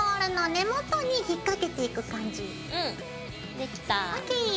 できた。ＯＫ！